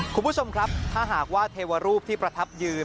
คุณผู้ชมครับถ้าหากว่าเทวรูปที่ประทับยืน